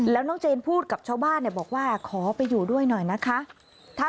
แล้วน้องเจนพูดกับชาวบ้านบอกว่าขอไปอยู่ด้วยหน่อยนะคะ